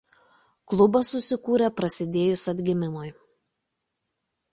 Klubas susikūrė prasidėjus Atgimimui.